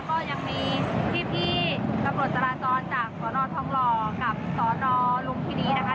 ก็ยังมีพี่พี่กระโปรดจราจรจากสอนอทองรอกับสอนอลุงพินีนะคะ